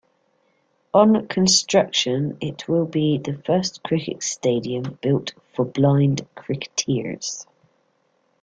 On construction it will be the first Cricket stadium built for Blind Cricketers.